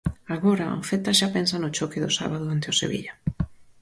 Agora, o Celta xa pensa no choque do sábado ante o Sevilla.